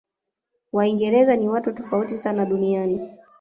waingereza ni watu tofauti sana duniani